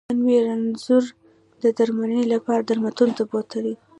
نن مې رنځور د درمنلې لپاره درملتون ته بوتلی